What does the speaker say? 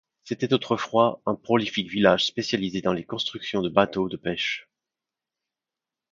C'était autrefois un prolifique village spécialisé dans la construction de bateaux de pêche.